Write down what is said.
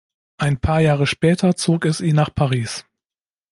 Ein paar Jahre später zog es ihn nach Paris.